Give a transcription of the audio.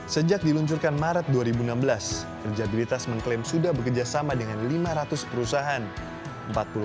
sejak diluncurkan maret dua ribu enam belas kerjabilitas mengklaim sudah bekerjasama dengan lima ratus perusahaan